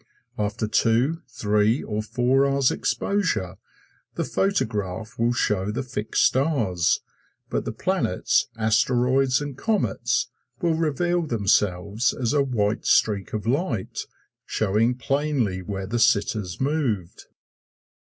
After two, three or four hours' exposure, the photograph will show the fixed stars, but the planets, asteroids and comets will reveal themselves as a white streak of light, showing plainly where the sitters moved.